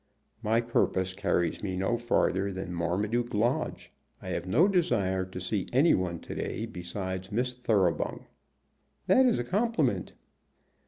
"My purpose carries me no farther than Marmaduke Lodge. I have no desire to see any one to day besides Miss Thoroughbung." "That is a compliment."